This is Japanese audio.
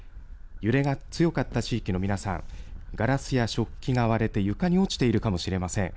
揺れが強かった地域の皆さん、ガラスや食器が割れて床に落ちているかもしれません。